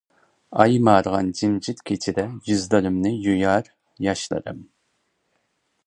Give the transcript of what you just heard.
ئاي مارىغان جىمجىت كېچىدە، يۈزلىرىمنى يۇيار ياشلىرىم.